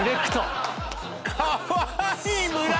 かわいい紫